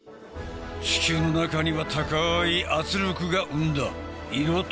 地球の中には高い圧力が生んだ色